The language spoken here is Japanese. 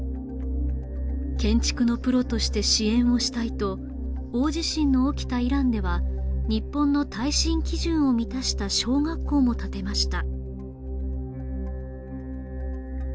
建築のプロとして支援をしたいと大地震の起きたイランでは日本の耐震基準を満たした小学校も建てました